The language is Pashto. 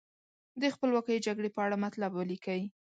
د خپلواکۍ جګړې په اړه مطلب ولیکئ.